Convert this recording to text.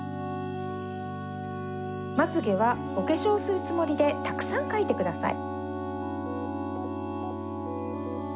まつげはおけしょうするつもりでたくさんかいてください。